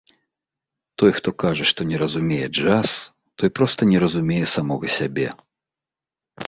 Той, хто кажа, што не разумее джаз, той проста не разумее самога сябе.